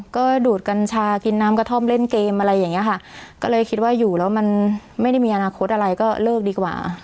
ก็ดูดกัญชากินน้ำกระท่อมเล่นเกมอะไรอย่างเงี้ยค่ะก็เลยคิดว่าอยู่แล้วมันไม่ได้มีอนาคตอะไรก็เลิกดีกว่า